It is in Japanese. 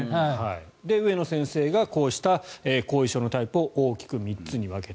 上野先生がこうした後遺症のタイプを大きく３つに分けた。